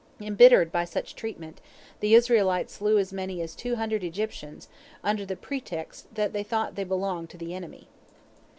Embittered by such treatment, the Israelites slew as many as two hundred Egyptians, under the pretext that they thought they belonged to the enemy.